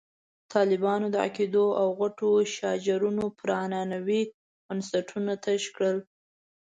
طالبانو د عقدو او غوټو شاجورونه پر عنعنوي بنسټونو تش کړل.